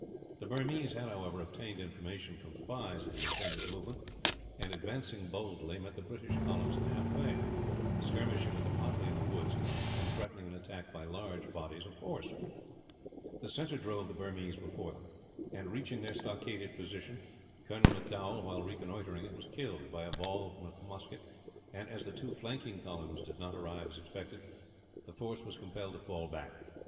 The Burmese had, however, obtained information from spies of the intended movement and, advancing boldly, met the British columns half way; skirmishing with them hotly in the woods, and threatening an attack by large bodies of horse. The centre drove the Burmese before them, and reached their stockaded position. Colonel M'Dowall, while reconnoitring it, was killed by a ball from a musket and, as the two flanking columns did not arrive as expected, the force was compelled to fall back.